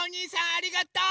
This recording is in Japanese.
ありがとう！